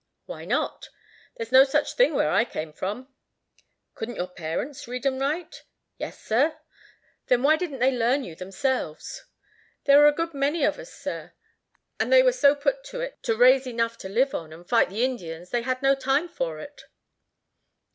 "Why not?" "There's no such thing where I came from." "Couldn't your parents read and write?" "Yes, sir." "Then why didn't they learn you themselves?" "There were a good many of us, sir, and they were so put to it to raise enough to live on, and fight the Indians, they had no time for it."